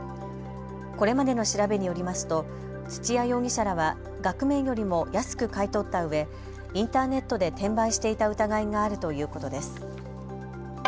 これまでの調べによりますと土屋容疑者らは額面よりも安く買い取ったうえインターネットで転売していた疑いがあるということです。